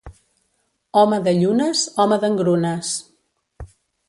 Home de llunes, home d'engrunes.